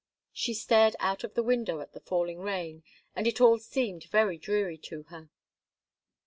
She stared out of the window at the falling rain, and it all seemed very dreary to her.